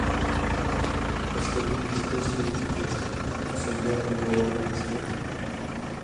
Poslední místo z pěti účastníků obsadil v libovolné pistoli.